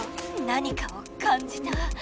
何かをかんじた。